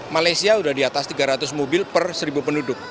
malaysia sudah di atas tiga ratus mobil per seribu penduduk